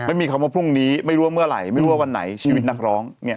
ไม่มีคำว่าพรุ่งนี้ไม่รู้ว่าเมื่อไหร่ไม่รู้ว่าวันไหนชีวิตนักร้องเนี่ย